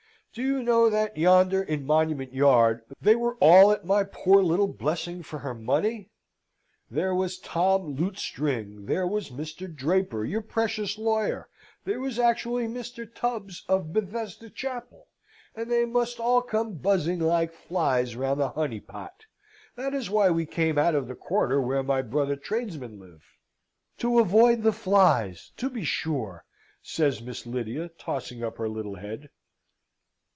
Do you know that yonder, in Monument Yard, they were all at my poor little Blessing for her money? There was Tom Lutestring; there was Mr. Draper, your precious lawyer; there was actually Mr. Tubbs, of Bethesda Chapel; and they must all come buzzing like flies round the honey pot. That is why we came out of the quarter where my brother tradesmen live." "To avoid the flies, to be sure!" says Miss Lydia, tossing up her little head.